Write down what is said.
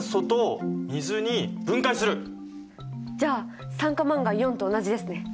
じゃあ酸化マンガンと同じですね。